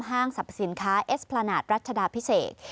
ห้างสรรพสินค้าเอสพลานาศรัชดาพิเศษ